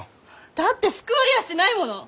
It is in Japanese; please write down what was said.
だって救われやしないもの！